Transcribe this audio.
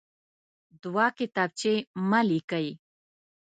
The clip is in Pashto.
دوه کتابچې مه لیکئ.